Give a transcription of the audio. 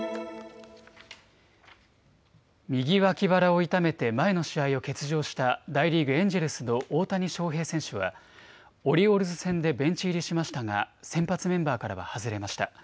右脇腹を痛めて前の試合を欠場した大リーグ、エンジェルスの大谷翔平選手はオリオールズ戦でベンチ入りしましたが先発メンバーからは外れました。